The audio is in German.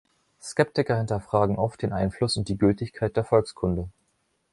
Skeptiker hinterfragen oft den Einfluss und die Gültigkeit der Volkskunde.